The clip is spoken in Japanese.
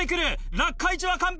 落下位置は完璧。